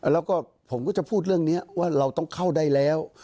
แล้วก็ผมก็จะพูดเรื่องนี้ว่าเราต้องเข้าได้แล้ว